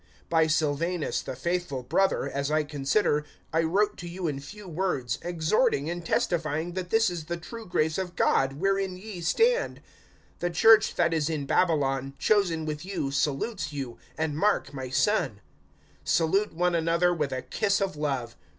(12)By Silvanus, the faithful brother, as I consider, I wrote to you in few words, exhorting, and testifying that this is the true grace of God, wherein ye stand. (13)The [church that is] in Babylon, chosen with you, salutes you[5:13]; and Mark, my son. (14)Salute one another with a kiss of love.